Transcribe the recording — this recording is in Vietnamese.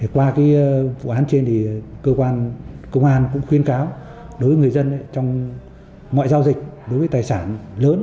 qua vụ án trên cơ quan công an cũng khuyên cáo đối với người dân trong mọi giao dịch đối với tài sản lớn